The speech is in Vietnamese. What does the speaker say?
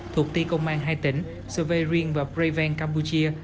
thuộc ti công an hai tỉnh sveirin và preven campuchia